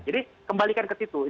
jadi kembalikan ke situ